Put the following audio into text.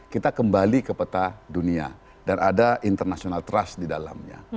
kita kembali ke peta dunia dan ada international trust di dalamnya